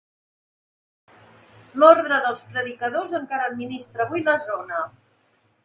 L'orde dels predicadors encara administra avui la zona.